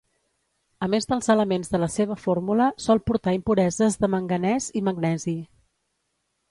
A més dels elements de la seva fórmula sol portar impureses de manganès i magnesi.